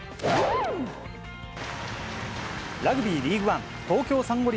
ラグビーリーグワン・東京サンゴ